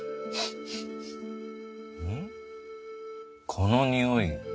このにおい。